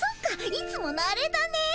いつものアレだね。